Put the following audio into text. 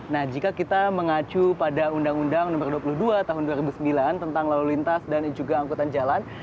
nah jika kita mengacu pada undang undang nomor dua puluh dua tahun dua ribu sembilan tentang lalu lintas dan juga angkutan jalan